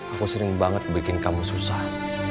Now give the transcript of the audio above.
aku sering banget bikin kamu susah